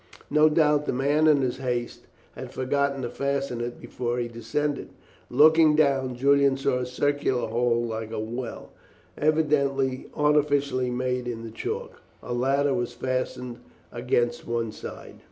No doubt the man in his haste had forgotten to fasten it before he descended. Looking down, Julian saw a circular hole like a well, evidently artificially made in the chalk; a ladder was fastened against one side.